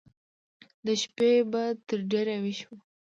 د شپې به تر ډېره ويښ و.